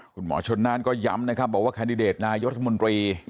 คุณหมอชนน่านก็ย้ำนะครับบอกว่าแคนดิเดตนายกรัฐมนตรี